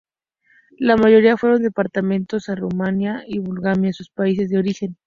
La mayoría fueron deportados a Rumania y Bulgaria, sus países de origen.